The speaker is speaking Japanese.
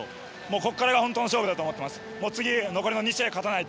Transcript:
ここからが本当の勝負だと思っています。